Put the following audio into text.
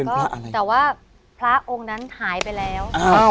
ก็แต่ว่าพระองค์นั้นหายไปแล้ว